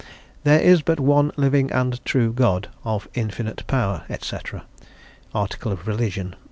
"There is but one living and true God... of infinite power, &c." (Article of Religion, 1.)